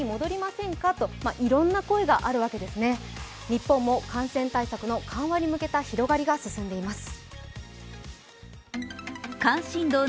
日本も感染対策の緩和に向けた広がりが進んでいます。